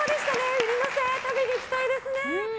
ウニ乗せ、食べに行きたいですね。